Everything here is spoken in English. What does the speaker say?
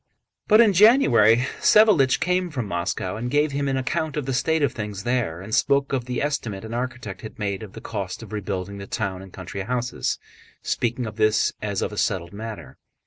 But in January Savélich came from Moscow and gave him an account of the state of things there, and spoke of the estimate an architect had made of the cost of rebuilding the town and country houses, speaking of this as of a settled matter.